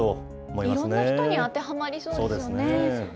いろんな人に当てはまりそうですよね。